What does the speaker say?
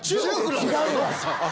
違うわ！